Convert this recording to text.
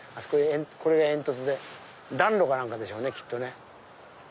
これが煙突で暖炉か何かでしょうねきっとね。